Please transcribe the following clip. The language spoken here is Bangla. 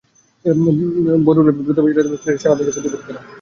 বদরুলের দ্রুত বিচারের দাবিতে সিলেটসহ সারা দেশে প্রতিবাদী নানা কর্মসূচি পালিত হয়।